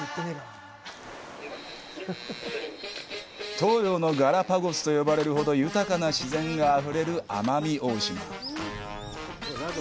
「東洋のガラパゴス」と呼ばれるほど豊かな自然があふれる奄美大島。